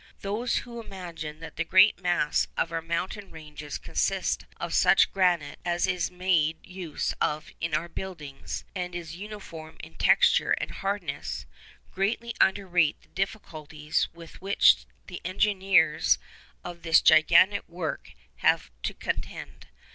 Those who imagine that the great mass of our mountain ranges consists of such granite as is made use of in our buildings, and is uniform in texture and hardness, greatly underrate the difficulties with which the engineers of this gigantic work have had to contend.